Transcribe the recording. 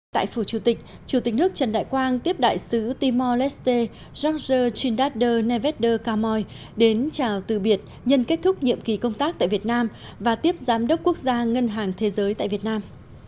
tại phủ chủ tịch chủ tịch nước trần đại quang tiếp đại sứ timor leste jean jean trindade neveder camoy đến chào từ biệt nhân kết thúc nhiệm kỳ công tác tại việt nam và tiếp giám đốc quốc gia ngân hàng thế giới tại việt nam